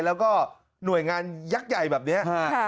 แล้วก็หน่วยงานยักษ์ใหญ่แบบนี้